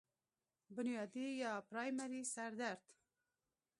بنيادي يا پرائمري سر درد